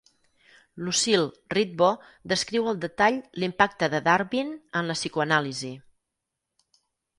Lucille Ritvo descriu al detall l'impacte de Darwin en la psicoanàlisi.